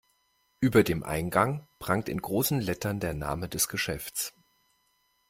Über dem Eingang prangt in großen Lettern der Name des Geschäfts.